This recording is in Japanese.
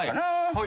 はい。